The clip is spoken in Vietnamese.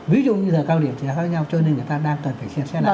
ví dụ như giờ cao điểm thì giá khác nhau cho nên người ta đang cần phải xem xe nào